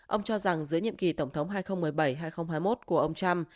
ông cho rằng giữa nhiệm kỳ tổng thống hai nghìn một mươi bảy hai nghìn hai mươi một của ông trump